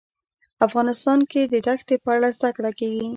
افغانستان کې د دښتې په اړه زده کړه کېږي.